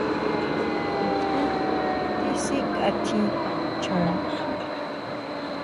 Ncheé tisikatji chjon.